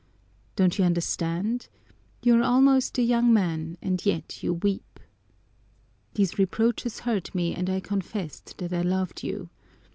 Don't you understand? You are almost a young man, and yet you weep!' These reproaches hurt me and I confessed that I loved you.